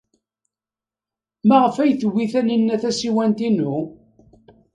Maɣef ay tewwi Taninna tasiwant-inu?